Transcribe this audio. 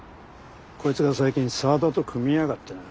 こいつが最近沢田と組みやがってな。